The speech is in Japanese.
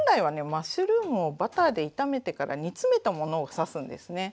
マッシュルームをバターで炒めてから煮詰めたものを指すんですね。